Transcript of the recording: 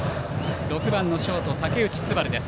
６番ショート、竹内昴航。